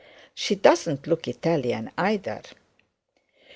She doesn't look Italian either.'